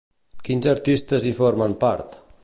Quins artistes hi formen part?